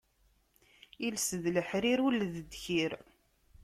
Iles d leḥrir ul d ddkir.